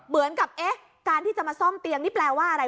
เหมือนกับเอ๊ะการที่จะมาซ่อมเตียงนี่แปลว่าอะไร